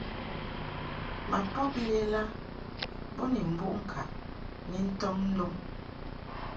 Ma pob lela bo ni mbuʼ ŋkaʼ ni ntɔŋ ndɔŋ.